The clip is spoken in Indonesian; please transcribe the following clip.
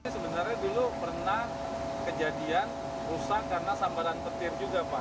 sebenarnya dulu pernah kejadian rusak karena sambaran petir juga pak